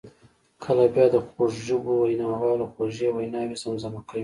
کله بیا د خوږ ژبو ویناوالو خوږې ویناوي زمزمه کوي.